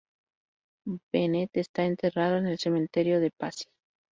Bennett está enterrado en el Cementerio de Passy.